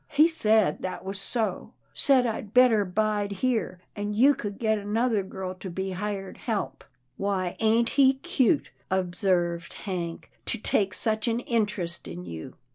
He said that was so, — said I'd better bide here, an' you could get another girl to be hired help." " Why, ain't he cute," observed Hank, " to take such an interest in you